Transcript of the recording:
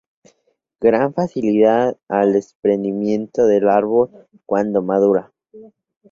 Gran facilidad al desprendimiento del árbol cuando madura.